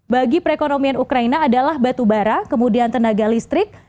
bagi perekonomian ukraina adalah batu bara kemudian tenaga listrik